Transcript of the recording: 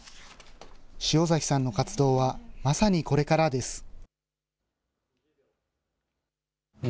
塩崎さんの活動はまさにこれからです。